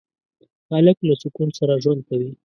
هلک له سکون سره ژوند کوي.